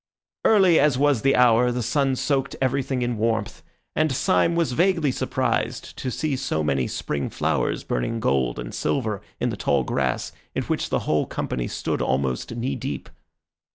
Early as was the hour, the sun soaked everything in warmth, and Syme was vaguely surprised to see so many spring flowers burning gold and silver in the tall grass in which the whole company stood almost knee deep.